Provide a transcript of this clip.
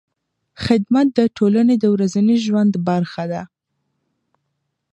خدمت د ټولنې د ورځني ژوند برخه ده.